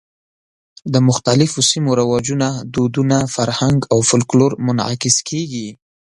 د مختلفو سیمو رواجونه، دودونه، فرهنګ او فولکلور منعکس کېږي.